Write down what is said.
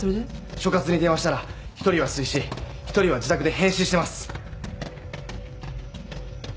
所轄に電話したら１人は水死１人は自宅で変死してます。